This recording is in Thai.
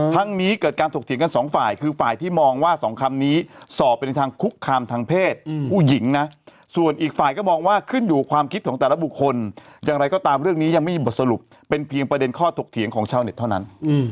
นี้เกิดการถกเถียงกันสองฝ่ายคือฝ่ายที่มองว่าสองคำนี้สอบไปในทางคุกคามทางเพศผู้หญิงนะส่วนอีกฝ่ายก็มองว่าขึ้นอยู่ความคิดของแต่ละบุคคลอย่างไรก็ตามเรื่องนี้ยังไม่มีบทสรุปเป็นเพียงประเด็นข้อถกเถียงของชาวเน็ตเท่านั้น